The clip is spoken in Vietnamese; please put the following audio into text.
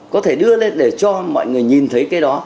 có thể đưa lên để cho mọi người nhìn thấy cái đó